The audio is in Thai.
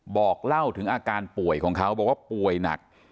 บอกเล่าถึงอาการป่วยของเขาบอกว่าป่วยหนัก